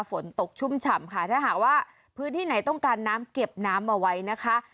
ฝนตกชุ่มฉ่ำค่ะถ้าหากว่าพื้นที่ไหนต้องการน้ำเก็บน้ำเอาไว้นะคะ